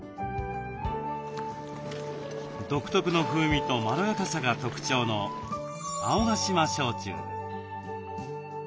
独特の風味とまろやかさが特徴の青ヶ島焼酎。